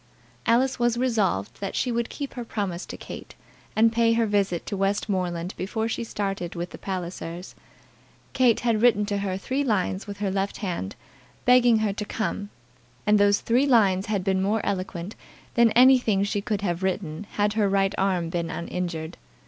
Alice was resolved that she would keep her promise to Kate, and pay her visit to Westmoreland before she started with the Pallisers. Kate had written to her three lines with her left hand, begging her to come, and those three lines had been more eloquent than anything she could have written had her right arm been uninjured.